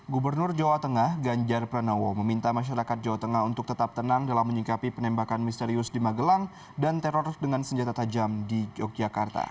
gubernur jawa tengah ganjar pranowo meminta masyarakat jawa tengah untuk tetap tenang dalam menyikapi penembakan misterius di magelang dan teror dengan senjata tajam di yogyakarta